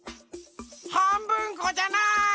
はんぶんこじゃない！